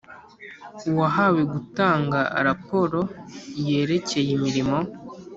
UwahaweGutanga raporo yerekeye imirimo